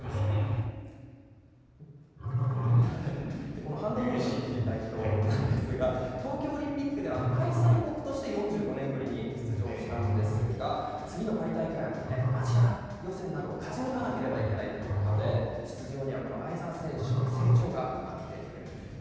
このハンドボールの女子代表なんですが、東京オリンピックでは開催国として４５年ぶりに出場したんですが、次のパリ大会はまたね、アジア予選などを勝ち抜かなければいけないということで、出場にはこの相澤選手の成長がかかっているんですね。